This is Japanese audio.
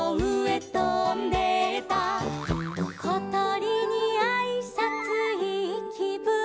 「ことりにあいさついいきぶん」